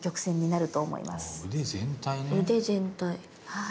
はい。